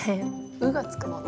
「う」がつくもの。